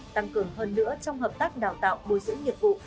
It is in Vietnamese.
tăng cường hơn nữa trong hợp tác đào tạo bồi dưỡng nghiệp vụ